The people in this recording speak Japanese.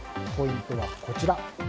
ポイントはこちら。